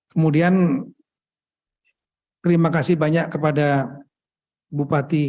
kemudian terima kasih banyak kepada bapak heru bapak presiden